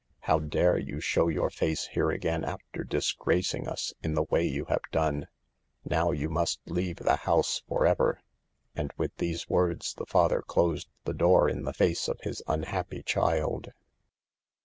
How dare you show your face here again after disgracing us in the way you have done ? Now you must leave the house forever." And with these words the father closed the door in the face of his unhappy child.